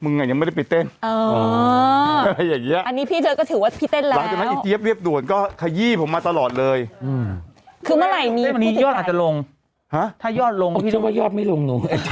นี้ยอดอาจจะลง